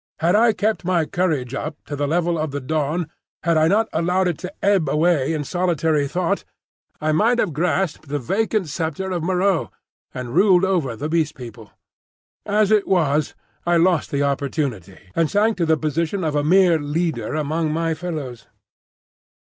Had I kept my courage up to the level of the dawn, had I not allowed it to ebb away in solitary thought, I might have grasped the vacant sceptre of Moreau and ruled over the Beast People. As it was I lost the opportunity, and sank to the position of a mere leader among my fellows.